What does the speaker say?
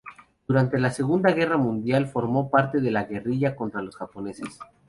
Durante la Segunda Guerra Mundial formó parte de la guerrilla contra los japoneses.